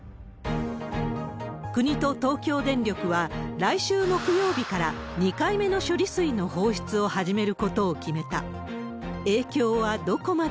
国と東京電力は、来週木曜日から２回目の処理水の放出を始めることを決めた。